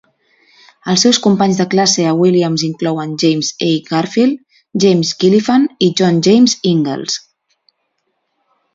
Els seus companys de classe a Williams inclouen James A. Garfield, James Gilfillan i John James Ingalls.